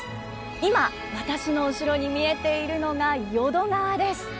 今私の後ろに見えているのが淀川です。